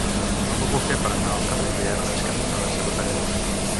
Com ho puc fer per anar al carrer Beates cantonada Sabateret?